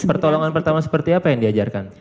pertolongan pertama seperti apa yang diajarkan